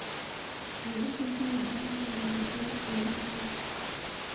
Ibihugu by'ibihangange byateye intambwe